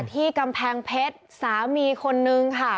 กำแพงเพชรสามีคนนึงค่ะ